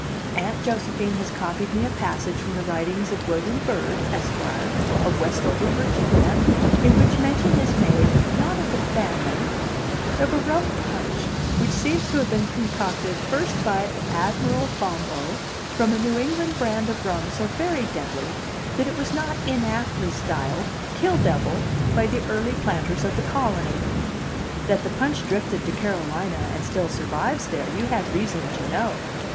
Aunt Josephine has copied me a passage from the writings of William Byrd, Esq., of Westover, Virginia, in which mention is made, not of the family, but of a rum punch which seems to have been concocted first by Admiral Bombo, from a New England brand of rum so very deadly that it was not inaptly styled 'kill devil' by the early planters of the colony. That the punch drifted to Carolina and still survives there, you have reason to know.